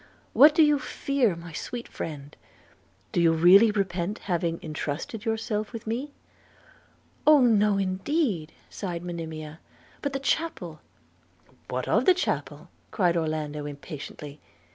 What do you fear, my sweet friend? Do you already repent having entrusted yourself with me?' 'Oh! no indeed,' sighed Monimia, 'but the chapel!' 'What of the chapel?' cried Orlando impatiently.